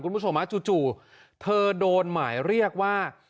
คุณผู้ชมจู่เธอโดนหมายเรียกว่า